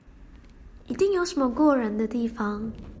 一定有什麼過人的地方